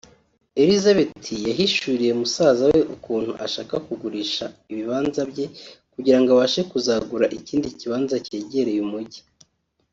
Elisabeth yahishuriye musaza we ukuntu ashaka kugurisha ibibanza bye kugirango abashe kuzagura ikindi kibanza cyegereye umujyi